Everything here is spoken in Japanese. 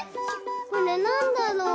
これなんだろう？